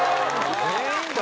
全員だ。